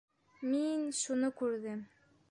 Мин... шуны күрҙем...